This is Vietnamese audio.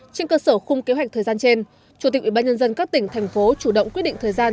trên cơ sở khung kế hoạch thời gian trên chủ tịch ubnd các tỉnh thành phố chủ động quyết định thời gian